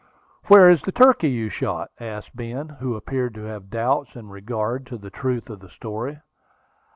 "Where is the turkey you shot?" asked Ben, who appeared to have some doubts in regard to the truth of the story.